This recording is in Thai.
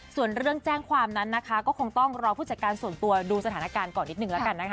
ส่วนเรื่องแจ้งความนั้นนะคะก็คงต้องรอผู้จัดการส่วนตัวดูสถานการณ์ก่อนนิดนึงแล้วกันนะคะ